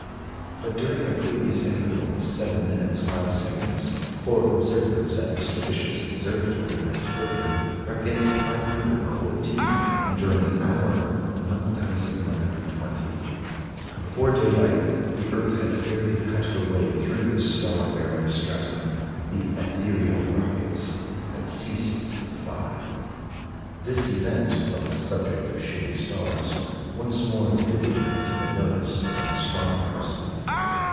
But during a previous interval of seven minutes five seconds, four observers at Mr. Bishop's observatory at Twickenham reckoned 514, and during an hour 1,120. Before daylight the earth had fairly cut her way through the star bearing stratum; the "ethereal rockets" had ceased to fly. This event brought the subject of shooting stars once more vividly to the notice of astronomers.